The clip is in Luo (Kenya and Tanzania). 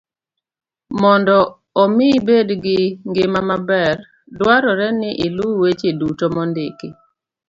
Mondo omi ibed gi ngima maber, dwarore ni iluw weche duto mondiki